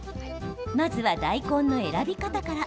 まずは大根の選び方から。